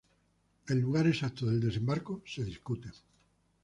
El lugar exacto del desembarco se discute.